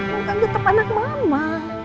kamu kan tetap anak mama